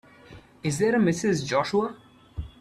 Is there a Mrs. Joshua?